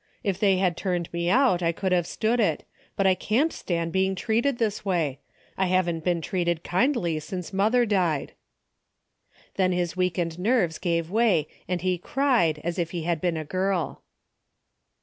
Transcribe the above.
If they had turned me out I could have stood it, but I can't stand being treated this way. I haven't been treated kindly since mother died." .A DAILY BATE." 201 Then his weakened nerves gave way and he cried, as if he had been a girl.